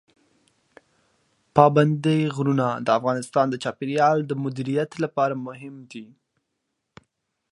پابندی غرونه د افغانستان د چاپیریال د مدیریت لپاره مهم دي.